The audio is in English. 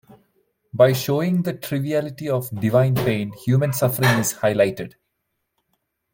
By showing the triviality of divine pain, human suffering is highlighted.